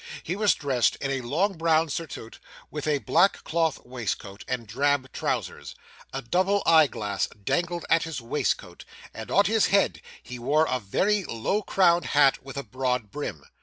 He was dressed in a long brown surtout, with a black cloth waistcoat, and drab trousers. A double eyeglass dangled at his waistcoat; and on his head he wore a very low crowned hat with a broad brim.